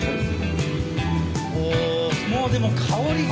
もうでも香りが。